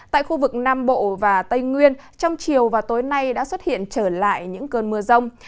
tại khu vực nam bộ và tây nguyên trong chiều và tối nay đã xuất hiện trở lại những cơn mưa rông